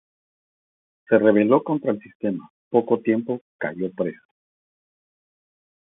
Se rebeló contra el sistema poco tiempo, cayó preso.